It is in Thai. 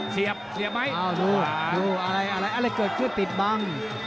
เสียบเสียบไหมดูดูอะไรอะไรเกิดขึ้นปิดบัง